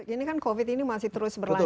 ini kan covid ini masih terus berlangsung